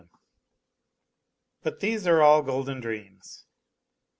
vn But these are all golden dreams.